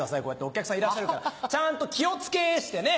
お客さんいらっしゃるからちゃんと気を付けしてね。